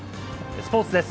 スポーツです。